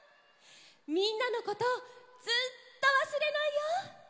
みんなのことずっとわすれないよ。